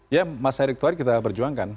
ya mas erick thohir kita perjuangkan